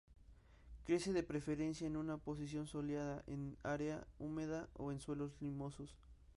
Crece de preferencia en una posición soleada, en arena húmeda o en suelos limosos.